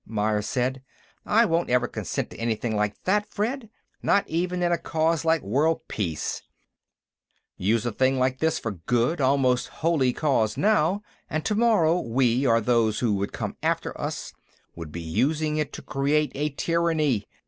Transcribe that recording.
Myers said. "I won't ever consent to anything like that, Fred! Not even in a cause like world peace; use a thing like this for a good, almost holy, cause now, and tomorrow we, or those who would come after us, would be using it to create a tyranny.